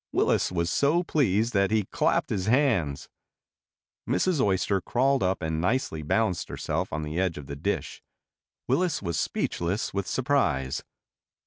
Willis was so pleased that he clapped his hands. Mrs. Oyster crawled up and nicely balanced herself on the edge of the dish. Willis was speechless with surprise.